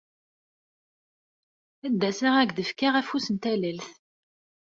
Ad d-asaɣ ad k-d-fkeɣ afus n tallelt.